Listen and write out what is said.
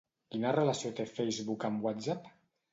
Quina relació té Facebook amb WhatsApp?